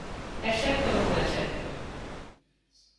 ¿É certo ou non é certo?